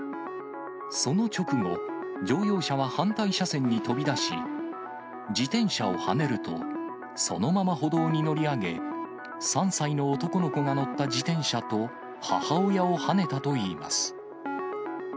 その直後、乗用車は反対車線に飛び出し、自転車をはねると、そのまま歩道に乗り上げ、３歳の男の子が乗った自転車と、母親をはねたといいます。